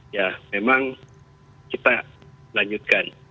ya memang kita lanjutkan